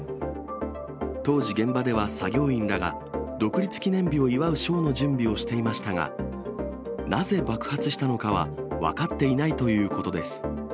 当時、現場では作業員らが独立記念日を祝うショーの準備をしていましたが、なぜ爆発したのかは分かっていないということです。